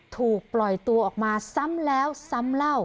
ถูกปล่อยตัวออกมาซ้ำแล้วซ้ำเล่า